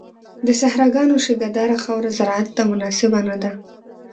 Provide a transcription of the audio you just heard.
د صحراګانو شګهداره خاوره زراعت ته مناسبه نه ده.